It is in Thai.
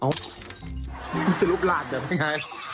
เอาสู้บราชอะน่ะ